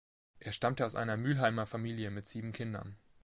Er stammte aus einer Mülheimer Familie mit sieben Kindern.